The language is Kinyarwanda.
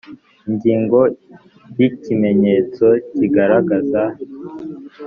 ingingo ya ikimenyetso kigaragaza